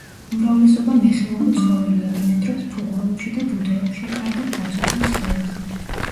უმრავლესობა მეხეური ცხოველია, ბინადრობს ფუღუროებში და ბუდეებში, კარგად დაცოცავს ხეებზე.